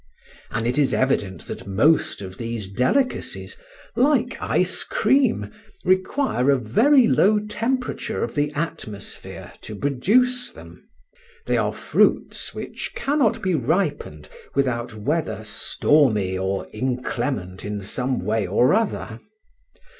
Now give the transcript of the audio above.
And it is evident that most of these delicacies, like ice cream, require a very low temperature of the atmosphere to produce them; they are fruits which cannot be ripened without weather stormy or inclement in some way or other.